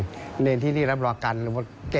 คุณผู้ชมฟังเสียงเจ้าอาวาสกันหน่อยค่ะ